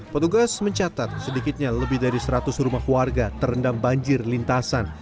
petugas mencatat sedikitnya lebih dari seratus rumah warga terendam banjir lintasan